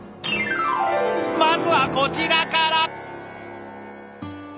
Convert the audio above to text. まずはこちらから！